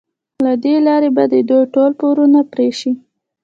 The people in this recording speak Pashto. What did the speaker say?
له دې لارې به د دوی ټول پورونه پرې شي.